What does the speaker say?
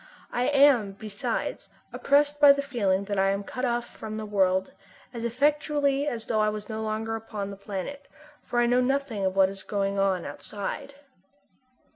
I am, besides, oppressed by the feeling that I am cut off from the world, as effectually as though I were no longer upon our planet, for I know nothing of what is going on outside.